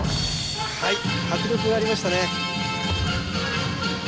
はい迫力がありましたね